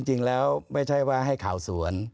จริงแล้วไม่ใช่ว่าให้ข่าวสวน